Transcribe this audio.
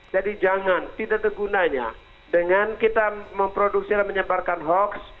jadi jangan tidak tergunanya dengan kita memproduksi dan menyebarkan hoax